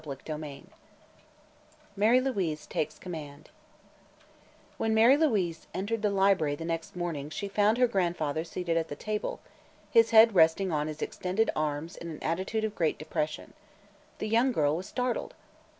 CHAPTER II MARY LOUISE TAKES COMMAND When Mary Louise entered the library the next morning she found her grandfather seated at the table, his head resting on his extended arms in an attitude of great depression. The young girl was startled.